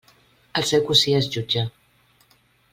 El seu cosí és jutge.